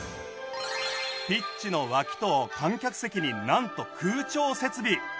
ピッチの脇と観客席になんと空調設備！